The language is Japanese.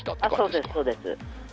そうです、そうです。